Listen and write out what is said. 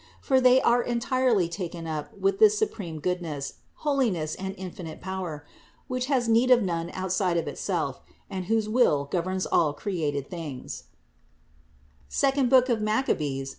For they are entirely taken up with this supreme Goodness, Holiness and infinite Power, which has need of none outside Itself and whose will governs all created things (II Mach.